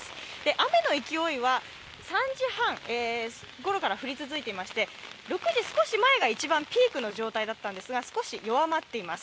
雨の勢いは３時半ごろから降り続いていまして６時少し前が一番ピークの状態だったんですが少し弱まっています。